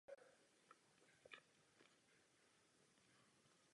Za Rennes odehrál dva roky.